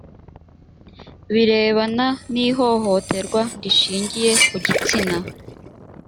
birebana n ihohoterwa rishingiye ku gitsina